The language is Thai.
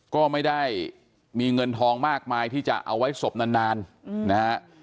ก็ไม่ได้มีเงินทองมากมายที่จะเอาไว้ศพนานนะฮะ